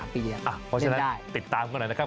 เพราะฉะนั้นติดตามกันหน่อยนะครับ